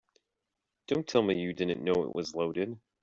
Don't tell me you didn't know it was loaded.